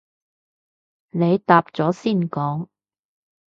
你答咗先講